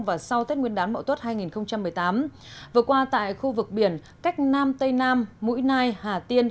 và sau tết nguyên đán mậu tuất hai nghìn một mươi tám vừa qua tại khu vực biển cách nam tây nam mũi nai hà tiên